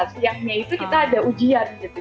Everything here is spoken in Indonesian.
siangnya itu kita ada ujian gitu